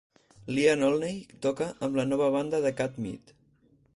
L'Ian Olney toca amb la nova banda Cat Meat.